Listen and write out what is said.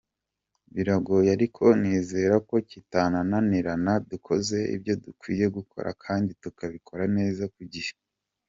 Biragoye ariko nizera ko kitananirana dukoze ibyo dukwiye gukora kandi tukabikora neza ku gihe.